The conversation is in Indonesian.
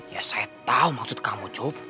ya saya tahu maksud kamu cuf